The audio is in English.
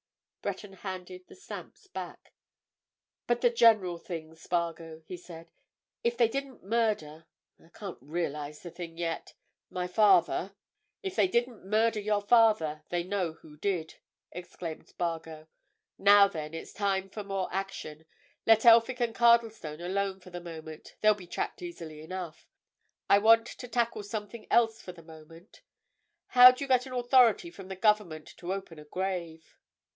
Breton handed the stamps back. "But the general thing, Spargo?" he said. "If they didn't murder—I can't realize the thing yet!—my father——" "If they didn't murder your father, they know who did!" exclaimed Spargo. "Now, then, it's time for more action. Let Elphick and Cardlestone alone for the moment—they'll be tracked easily enough. I want to tackle something else for the moment. How do you get an authority from the Government to open a grave?"